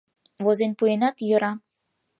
Возен пуэнат, йӧра.